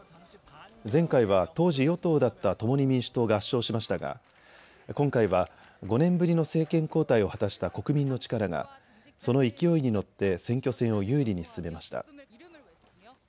前回は当時、与党だった共に民主党が圧勝しましたが今回は５年ぶりの政権交代を果たした国民の力がその勢いに乗って選挙戦を有利に進めました。